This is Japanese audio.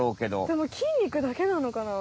でも筋にくだけなのかな？